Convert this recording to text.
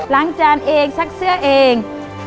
ล้างจานเองซักเสื้อเอง